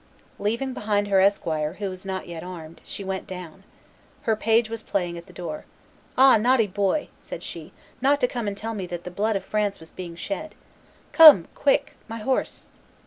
Leaving behind her esquire, who was not yet armed, she went down. Her page was playing at the door: "Ah! naughty boy," said she, "not to come and tell me that the blood of France was being shed! Come! quick! my horse!"